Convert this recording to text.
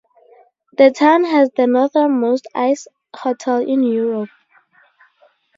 The town has the northernmost ice hotel in Europe.